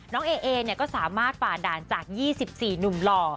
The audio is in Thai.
น้องเอก็สามารถฝ่าด่านจาก๒๔หนุ่มหล่อ